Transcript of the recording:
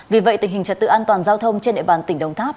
vì vậy tình hình trật tự an toàn giao thông trên địa bàn tỉnh đồng tháp